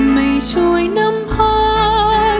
ไม่ช่วยน้ำพอ